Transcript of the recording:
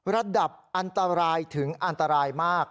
ระดับอันตรายถึงอันตรายมาก